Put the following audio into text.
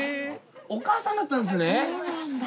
お母さんだったんですね。